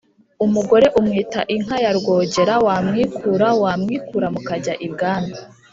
Umugore umwita inka ya Rwogera wamwikura wamwikura mukajya i bwami.